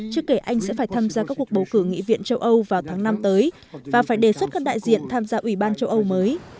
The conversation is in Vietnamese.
chưa kể anh sẽ phải tham gia các cuộc bầu cử nghị viện châu âu vào tháng năm tới và phải đề xuất các đại diện tham gia ủy ban châu âu mới